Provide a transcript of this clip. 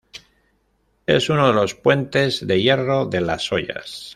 Es uno de los puentes de hierro de Las Hoyas.